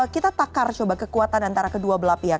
kita takar coba kekuatan antara kedua belah pihak